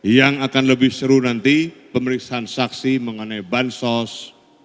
yang akan lebih seru nanti pemeriksaan saksi mengenai bansos